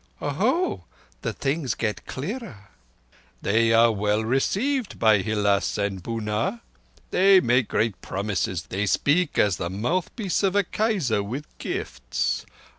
"Oho! The thing gets clearer." "They are well received by Hilás and Bunár. They make great promises; they speak as the mouthpiece of a Kaisar with gifts.